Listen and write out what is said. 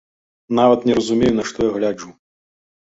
Нават не разумею, на што я гляджу.